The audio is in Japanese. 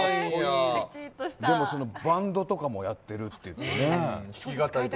でもバンドとかもやってるっていう。